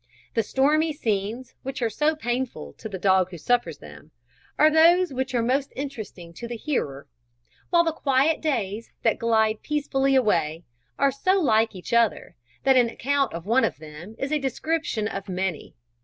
The stormy scenes which are so painful to the dog who suffers them, are those which are most interesting to the hearer; while the quiet days, that glide peacefully away, are so like each other, that an account of one of them is a description of many.